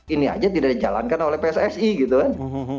ini aja tidak dijalankan oleh pssi gitu kan